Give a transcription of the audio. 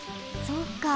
そうか。